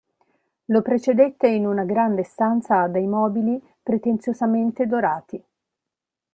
Lo precedette in una grande stanza dai mobili pretenziosamente dorati.